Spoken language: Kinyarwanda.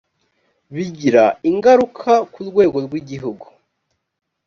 bigira ingaruka ku rwego rw igihugu